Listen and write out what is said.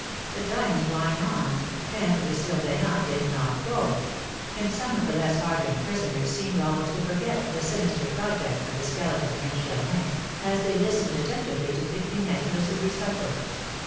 The time was drawing on, and the surveillant did not go; and some of the less hardened prisoners seemed almost to forget the sinister projects of the Skeleton against Germain, as they listened attentively to Pique Vinaigre's recital.